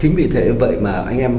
chính vì thế như vậy mà anh em